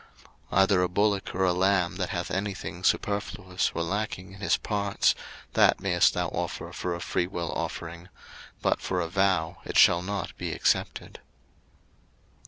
03:022:023 Either a bullock or a lamb that hath any thing superfluous or lacking in his parts, that mayest thou offer for a freewill offering; but for a vow it shall not be accepted.